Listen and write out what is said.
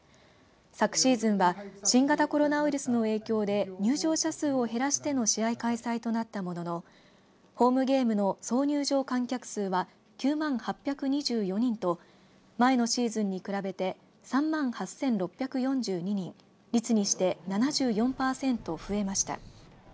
昨シーズンは新型コロナウイルスの影響で入場者数を減らしての試合開催となったもののホームゲームの総入場観客数は９万８２４人と前のシーズンに比べて３万８６４２人率にして７４パーセント増えました。